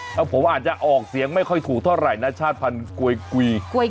แล้วผมอาจจะออกเสียงไม่ค่อยถูกเท่าไหร่นะชาติพันธุ์กวยกุย